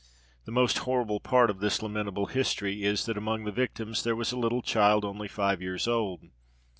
The most horrible part of this lamentable history is, that among the victims there was a little child only five years old.